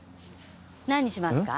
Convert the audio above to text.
何にしますか？